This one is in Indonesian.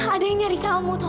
ada yang nyari kamu tau gak